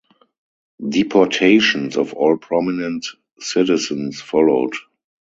Deportations of all prominent citizens followed.